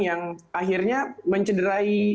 yang akhirnya mencederai